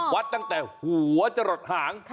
วัดตั้งแต่หัวจะหลดหาง